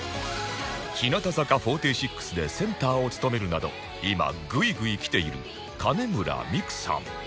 日向坂４６でセンターを務めるなど今ぐいぐいきている金村美玖さん